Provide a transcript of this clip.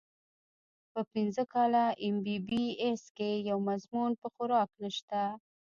پۀ پنځه کاله اېم بي بي اېس کښې يو مضمون پۀ خوراک نشته